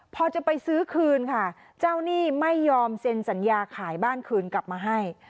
พอจะไปซื้อคืนค่ะเจ้าหนี้ไม่ยอมเซ็นสัญญาขายบ้านคืนกลับมาให้